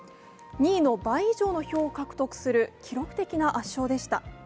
２位の倍以上の票を獲得する記録的な圧勝でした。